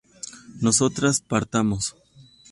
nosotras partamos